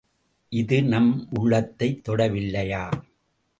இது நம் உள்ளத்தைத் தொடவில்லையா?